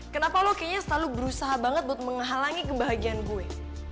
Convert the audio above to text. kenapa lo kayaknya selalu berusaha banget buat menghalangi kebahagiaan gue